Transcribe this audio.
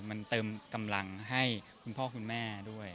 มันเติมกำลังให้คุณพ่อคุณแม่ด้วย